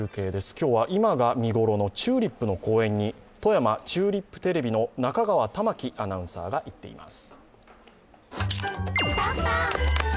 今日は今が見頃のチューリップの公園に富山・チューリップテレビの中川環アナウンサーが行っています。